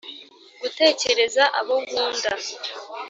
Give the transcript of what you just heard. gutekereza abo nkunda